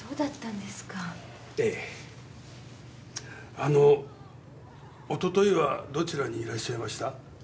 あの一昨日はどちらにいらっしゃいました？